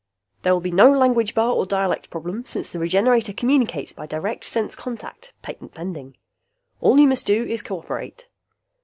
There will be no language bar or dialect problem, since the Regenerator communicates by Direct Sense Contact (Patent Pending). All you must do is cooperate.